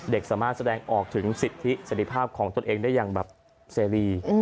เด็กสามารถแสดงออกถึงสิทธิสถิภาพของตัวเองได้อย่างแบบ